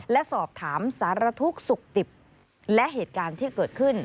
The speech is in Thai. และสอบถามสารทุกข์สุขดิบและเหตุการณ์ที่เกิดขึ้น